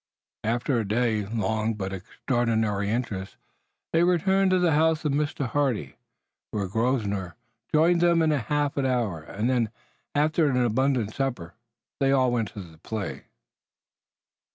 After a day, long but of extraordinary interest, they returned to the house of Mr. Hardy, where Grosvenor joined them in half an hour, and then, after another abundant supper, they all went to the play.